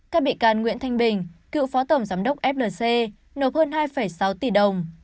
các bị can nguyễn thanh bình cựu phó tổng giám đốc flc nộp hơn hai sáu tỷ đồng